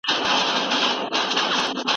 ایا ستا تیزس بشپړ سوی دی؟